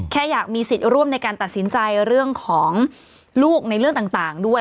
แค่อยากมีสิทธิ์ร่วมในการตัดสินใจเรื่องของลูกในเรื่องต่างด้วย